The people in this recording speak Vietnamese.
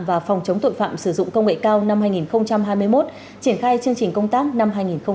và phòng chống tội phạm sử dụng công nghệ cao năm hai nghìn hai mươi một triển khai chương trình công tác năm hai nghìn hai mươi bốn